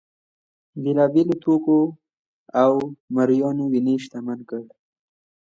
بېلابېلو توکو او مریانو وینز شتمن کړ.